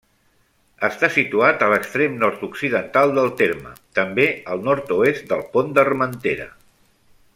Està situat a l'extrem nord-occidental del terme, també al nord-oest del Pont d'Armentera.